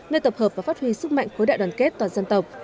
nơi tập hợp và phát huy sức mạnh khối đại đoàn kết toàn dân tộc